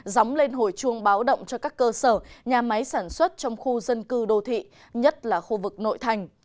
dóng lên hồi chuông báo động cho các cơ sở nhà máy sản xuất trong khu dân cư đô thị nhất là khu vực nội thành